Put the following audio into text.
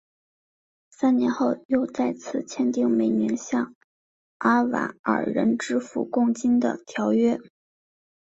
三年后又再次签订每年向阿瓦尔人支付贡金的条约。